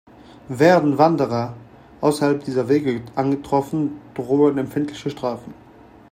Werden Wanderer außerhalb dieser Wege angetroffen, drohen empfindliche Strafen.